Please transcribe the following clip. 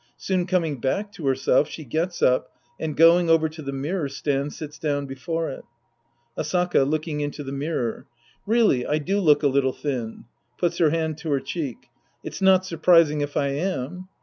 Soon coming back to herself, she gets up and, going over to the mirror stand, sits down before it.) Asaka {looking into the mirror). Really I do look a little thin. {Puts her hand to her cheek.) It's not surprising if I am.